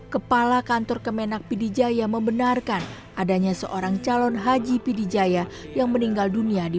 kepala kantor kemenak pidijaya membenarkan adanya seorang calon haji pidijaya yang meninggal dunia di